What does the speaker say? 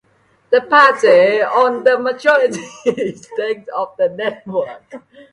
The party owned the majority stake of the network.